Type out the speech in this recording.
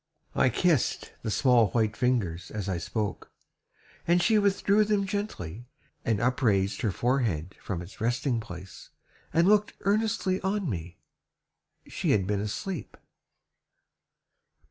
I kissed the small white fingers as I spoke, And she withdrew them gently, and upraised Her forehead from its resting place, and looked Earnestly on me She had been asleep!